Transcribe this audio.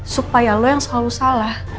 supaya lo yang selalu salah